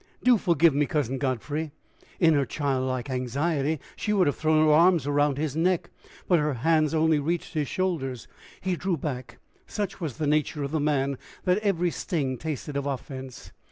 Do forgive me, Cousin Godfrey." In her childlike anxiety she would have thrown her arms round his neck, but her hands only reached his shoulders. He drew back: such was the nature of the man that every sting tasted of offense.